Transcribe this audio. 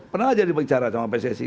pernah jadi bicara sama pssi